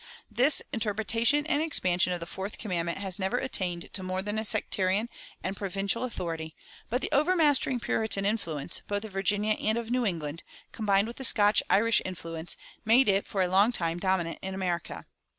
"[371:1] This interpretation and expansion of the Fourth Commandment has never attained to more than a sectarian and provincial authority; but the overmastering Puritan influence, both of Virginia and of New England, combined with the Scotch Irish influence, made it for a long time dominant in America.